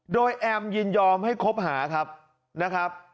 โดยแอมยินยอมให้คบหาครับนะครับ